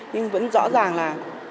nhưng vẫn rõ ràng là